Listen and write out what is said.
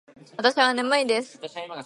わたしはねむいです。